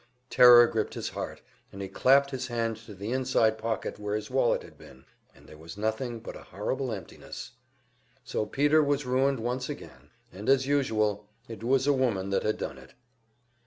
Terror gripped his heart, and he clapped his hand to the inside pocket where his wallet had been, and there was nothing but horrible emptiness. So Peter was ruined once again, and as usual it was a woman that had done it!